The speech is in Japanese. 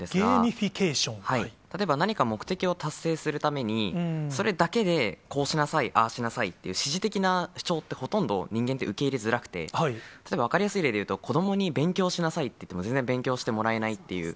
例えば何か目的を達成するために、それだけで、ああしなさいっていう、指示的な主張って、ほとんど人間って受け入れづらくて、例えば、分かりやすい例でいうと、子どもに勉強しなさいって言っても、全然勉強してもらえないっていう。